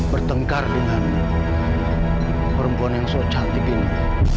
bertengkar dengan perempuan yang secantik ini